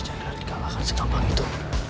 chandra di kalahkan segampang itu